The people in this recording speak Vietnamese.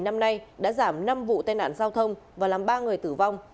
năm nay đã giảm năm vụ tai nạn giao thông và làm ba người tử vong